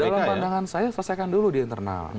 dalam pandangan saya selesaikan dulu di internal